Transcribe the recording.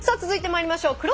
続いてまいりましょう。